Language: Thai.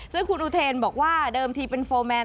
ซึ่งคุณอุเทนบอกว่าเดิมทีเป็นโฟร์แมน